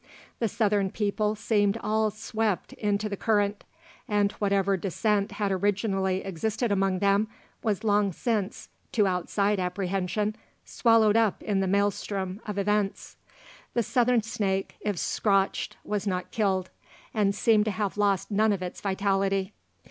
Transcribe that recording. The Southern people seemed all swept into the current, and whatever dissent had originally existed among them, was long since, to outside apprehension, swallowed up in the maelstrom of events. The Southern snake, if scotched, was not killed, and seemed to have lost none of its vitality.